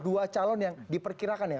dua calon yang diperkirakan ya